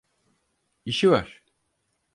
İşi var.